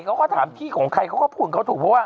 เขาก็ถามที่ของใครเขาก็พูดเขาถูก